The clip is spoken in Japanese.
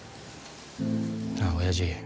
なあおやじ。